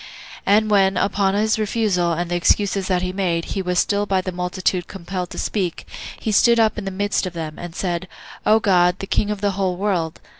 And when, upon his refusal, and the excuses that he made, he was still by the multitude compelled to speak, he stood up in the midst of them, and said, "O God, the King of the whole world!